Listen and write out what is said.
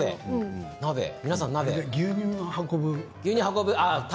牛乳を運ぶもの？